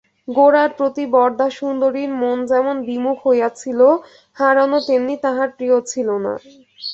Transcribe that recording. গোরার প্রতি বরদাসুন্দীর মন যেমন বিমুখ হইয়াছিল হারানও তেমনি তাঁহার প্রিয় ছিল না।